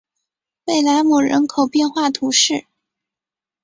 贝莱姆人口变化图示